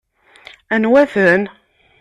Anwa-ten?